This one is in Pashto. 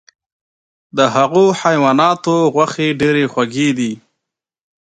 د هغو حیواناتو غوښې ډیرې خوږې دي .